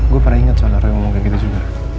gue pernah inget soalnya roy ngomong kayak gitu juga